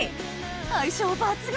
相性抜群！